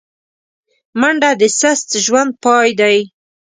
منډه د سست ژوند پای دی